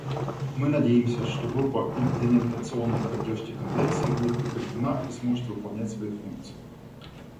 Мы надеемся, что Группа имплементационной поддержки Конвенции будет укреплена и сможет выполнять свои функции.